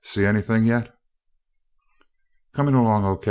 See anything yet?" "Coming along O.